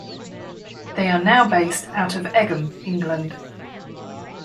They are now based out of Egham, England.